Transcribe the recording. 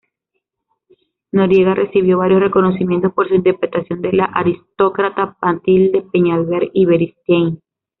Noriega recibió varios reconocimientos por su interpretación de la aristócrata, Matilde Peñalver y Beristáin.